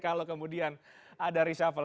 kalau kemudian ada resapel